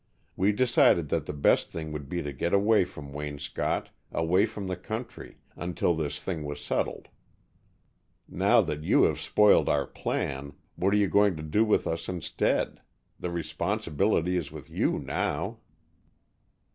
We decided that the best thing would be to get away from Waynscott, away from the country, until this thing was settled. Now that you have spoiled our plan, what are you going to do with us instead? The responsibility is with you, now!"